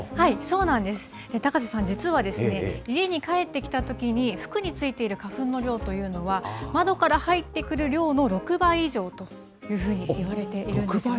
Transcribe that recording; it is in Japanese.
高瀬さん、実は、家に帰ってきたときに服についている花粉の量というのは、窓から入ってくる量の６倍以上というふうに言われているんですよね。